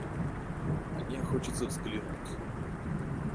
Мне хочется взглянуть.